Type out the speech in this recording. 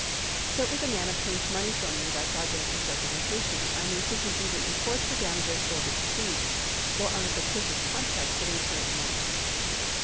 ^ So if a man obtains money from me by fraudulent misrepresentation, I may sue him either in tort for damages for the deceit, or on a fictitious contract for the return of the money.